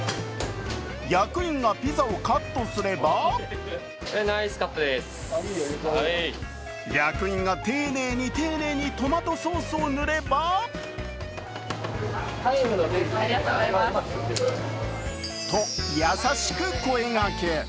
役員がピザをカットすれば役員が丁寧に丁寧にトマトソースを塗ればと、優しく声がけ。